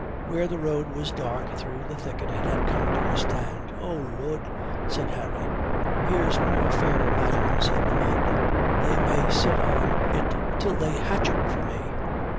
Where the road was dark through a thicket it had come to a stand. "Oh Lud," said Harry, "here's more fair madames in the mud. They may sit on it till they hatch it for me."